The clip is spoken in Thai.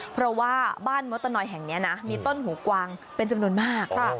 เพราะว่าบ้านมดตนอยแห่งนี้นะมีต้นหูกวางเป็นจำนวนมาก